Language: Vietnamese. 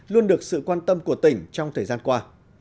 luôn được sự quan tâm của tỉnh trong thời gian qua